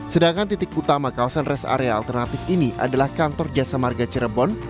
sedangkan titik utama kawasan rest area alternatif ini adalah kantor jasa marga cirebon